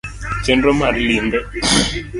chenro mar limbe: